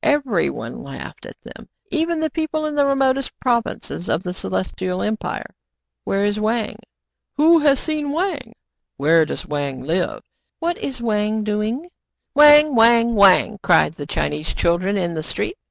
Every one laughed at them, even the people in the remotest provinces of the Celestial Empire. " Where is Wang }"" Who lias seen Wang }"Where does Wang live }"" What is Wang doing }" Wang, Wang, Wang !" cried the Chinese chil dren in the street.